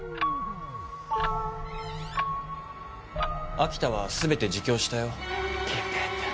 秋田は全て自供したよ。